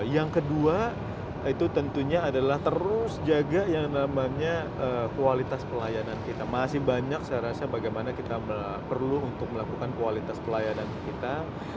yang kedua itu tentunya adalah terus jaga yang namanya kualitas pelayanan kita masih banyak saya rasa bagaimana kita perlu untuk melakukan kualitas pelayanan kita